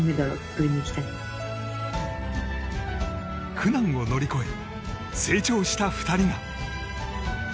苦難を乗り越え成長した２人が。